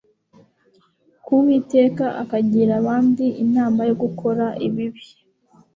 ku uwiteka akagira abandi inama yo gukora ibibi